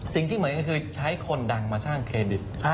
สิ่งที่เหมือนก็คือใช้คนดังมาสร้างเครดิต